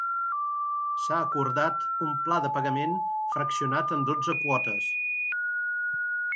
S'ha acordat un pla de pagament fraccionat en dotze quotes.